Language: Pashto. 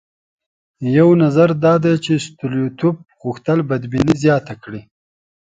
یو نظر دا دی چې ستولیتوف غوښتل بدبیني زیاته کړي.